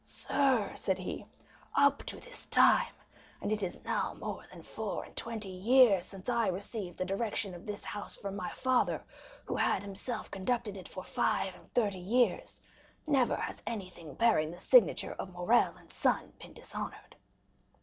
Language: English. "Sir," said he, "up to this time—and it is now more than four and twenty years since I received the direction of this house from my father, who had himself conducted it for five and thirty years—never has anything bearing the signature of Morrel & Son been dishonored."